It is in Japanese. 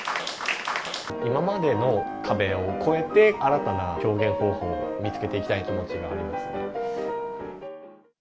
今までの壁を越えて、新たな表現方法を見つけていきたいという気持ちがありますね。